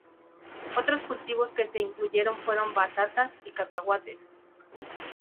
Otros cultivos que se incluyeron fueron batatas y cacahuetes.